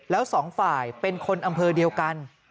แล้วสองฝ่ายเป็นคนอำเภอเดียวกัน